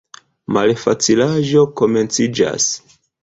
Malfacilaĵo komenciĝas.